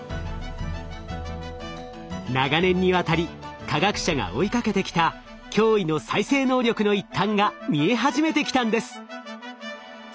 長年にわたり科学者が追いかけてきた驚異の再生能力の一端が見え始めてきたんです。